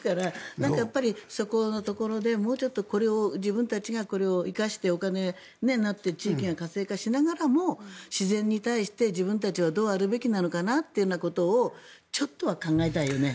だから、やっぱりそこのところでもうちょっとこれを自分たちが生かしてお金になって地域が活性化しながらも自然に対して自分たちはどうあるべきなのかなということを考えたいよね。